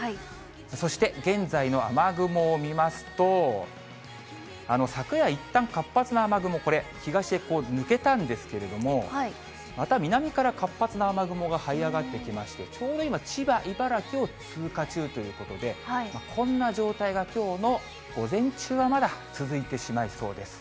そして現在の雨雲を見ますと、昨夜、いったん活発な雨雲、これ、東へ抜けたんですけれども、また南から活発な雨雲がはい上がってきまして、ちょうど今、千葉、茨城を通過中ということで、こんな状態がきょうの午前中はまだ続いてしまいそうです。